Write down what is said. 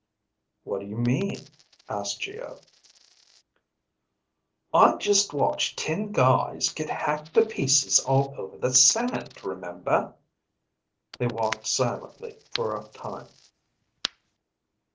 "What do you mean?" asked Geo. "I just watched ten guys get hacked to pieces all over the sand, remember?" They walked silently for a time.